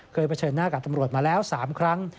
เผชิญหน้ากับตำรวจมาแล้ว๓ครั้ง